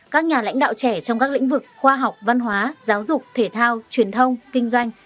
các nhà lãnh đạo trẻ trong các lĩnh vực khoa học văn hóa giáo dục thể thao truyền thông kinh doanh